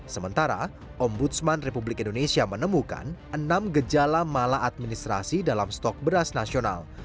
sementara ombudsman republik indonesia menemukan enam gejala malah administrasi dalam stok beras nasional